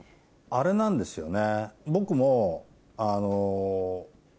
あれなんですよね。